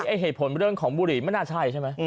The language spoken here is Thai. ไอ้เหตุผลเรื่องของบุหรี่ไม่น่าใช่ใช่ไหม